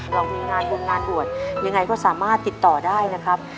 เรามีงานวงงานบวชยังไงก็สามารถติดต่อได้นะครับ